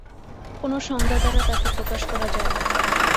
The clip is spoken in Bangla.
কোন সংজ্ঞা দ্বারা তাঁকে প্রকাশ করা যায় না।